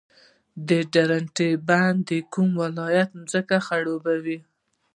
د درونټې بند د کوم ولایت ځمکې خړوبوي؟